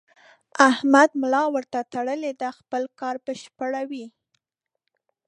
احمد ملا ورته تړلې ده؛ خپل کار بشپړوي.